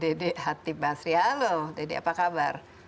dede hatip basri halo dede apa kabar